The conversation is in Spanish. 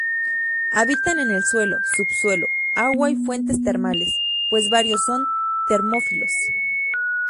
Habitan en el suelo, subsuelo, agua y fuentes termales, pues varios son termófilos.